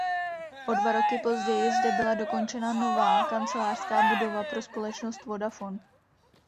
O dva roky později zde byla dokončena nová kancelářská budova pro společnost Vodafone.